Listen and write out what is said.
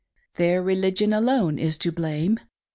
Their religion alone is to blame.